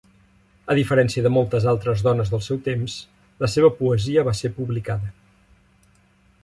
A diferència de moltes altres dones del seu temps, la seva poesia va ser publicada.